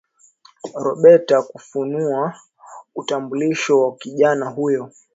roberta hakufunua utambulisho wa kijana huyo